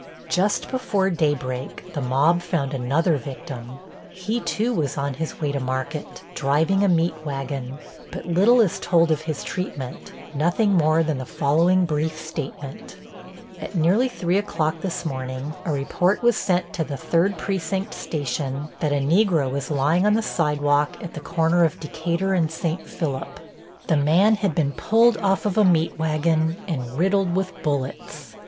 Just before daybreak the mob found another victim. He, too, was on his way to market, driving a meat wagon. But little is told of his treatment, nothing more than the following brief statement: At nearly 3 o'clock this morning a report was sent to the Third Precinct station that a Negro was lying on the sidewalk at the corner of Decatur and St. Philip. The man had been pulled off of a meat wagon and riddled with bullets.